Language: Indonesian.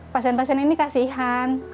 pasien pasien ini kasihan